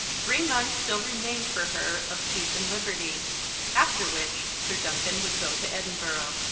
Three months still remained for her of peace and liberty, after which Sir Duncan would go to Edinburgh.